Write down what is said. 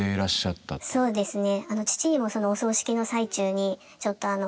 そうですね。